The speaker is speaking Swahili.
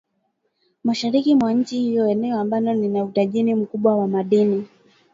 mashariki mwa nchi hiyo eneo ambalo lina utajiri mkubwa wa madini